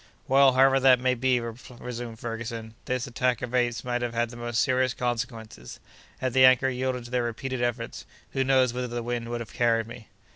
"Well, however that may be," resumed Ferguson, "this attack of apes might have had the most serious consequences. Had the anchor yielded to their repeated efforts, who knows whither the wind would have carried me?"